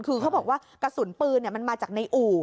คือเขาบอกว่ากระสุนปืนมันมาจากในอู่